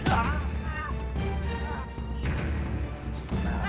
biarin mereka pergi